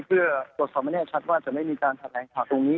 เพื่อตรวจสอบให้แน่ชัดว่าจะไม่มีการแถลงข่าวตรงนี้